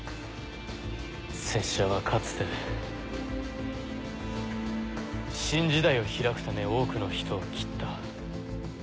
拙者はかつて新時代を開くため多くの人を斬った。